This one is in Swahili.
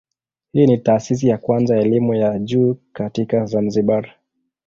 Hii ni taasisi ya kwanza ya elimu ya juu katika Zanzibar.